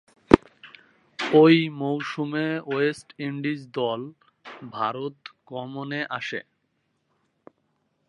ঐ মৌসুমে West Indies দল ভারত গমনে আসে।